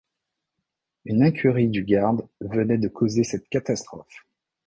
Une incurie du garde venait de causer cette catastrophe.